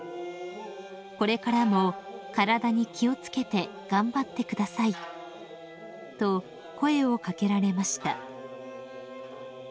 「これからも体に気を付けて頑張ってください」と声を掛けられました］